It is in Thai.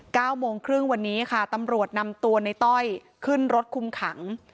เก้าโมงครึ่งวันนี้ค่ะตำรวจนำตัวในต้อยขึ้นรถคุมขัง